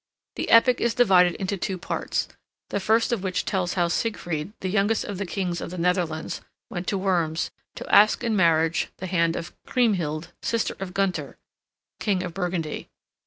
The epic is divided into two parts, the first of which tells how Siegfried, the youngest of the kings of the Netherlands, went to Worms, to ask in marriage the hand of Kriemhild, sister of Gunther, King of Burgundy.